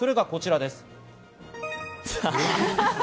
こちらです。